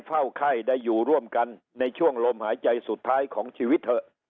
เฝ้าไข้ได้อยู่ร่วมกันในช่วงลมหายใจสุดท้ายของชีวิตเถอะ